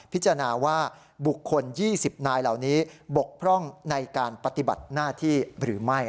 พิจารณาว่าบุคคล๒๐นายเหล่านี้บกพร่องในการปฏิบัติหน้าที่หรือไม่